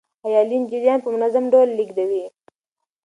آیا لین جریان په منظم ډول لیږدوي؟